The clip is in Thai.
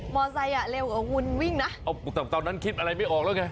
บอไซด์อ่ะเร็วกว่าวุนวิ่งนะเอาตอนตอนนั้นคลิปอะไรไม่ออกแล้วไง